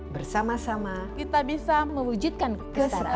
bersama sama kita bisa mewujudkan kesetaraan